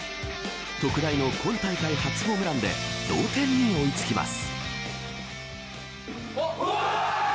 特大の今大会初ホームランで同点に追いつきます。